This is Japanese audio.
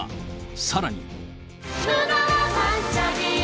さらに。